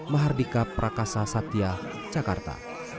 mahardika prakasa satya jakarta